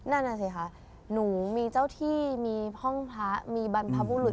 นั่นน่าสิค่ะเจ้าที่มีพร่องพระมีบรรพบุรุษ